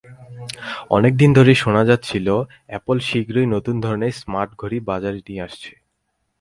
অনেক দিন ধরেই শোনা যাচ্ছিল, অ্যাপল শিগগিরই নতুন ধরনের স্মার্টঘড়ি বাজারে নিয়ে আসছে।